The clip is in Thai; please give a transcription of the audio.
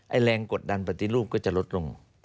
แรงกดดันปฏิรูปก็จะลดลง